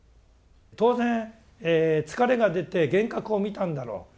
当然疲れが出て幻覚を見たんだろう